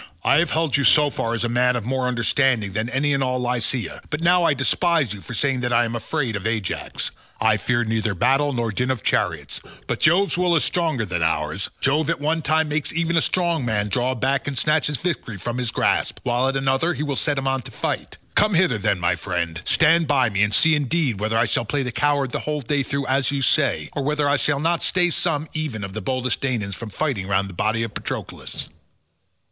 I have held you so far as a man of more understanding than any in all Lycia, but now I despise you for saying that I am afraid of Ajax. I fear neither battle nor the din of chariots, but Jove's will is stronger than ours; Jove at one time makes even a strong man draw back and snatches victory from his grasp, while at another he will set him on to fight. Come hither then, my friend, stand by me and see indeed whether I shall play the coward the whole day through as you say, or whether I shall not stay some even of the boldest Danaans from fighting round the body of Patroclus."